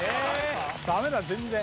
ダメだ全然。